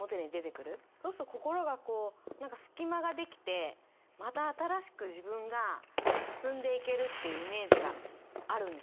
そうすると心がこう何か隙間ができてまた新しく自分が進んでいけるっていうイメージがあるんですよ。